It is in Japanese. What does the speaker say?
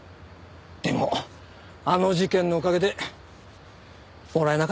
でもあの事件のおかげでもらえなかったけど。